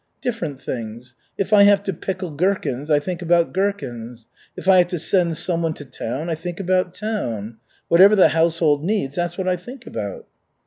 "Different things. If I have to pickle gherkins, I think about gherkins. If I have to send someone to town, I think about town. Whatever the household needs, that's what I think about."